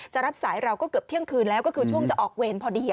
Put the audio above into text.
รับสายเราก็เกือบเที่ยงคืนแล้วก็คือช่วงจะออกเวรพอดี